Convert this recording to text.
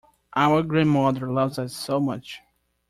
Our grandmother loves us so much.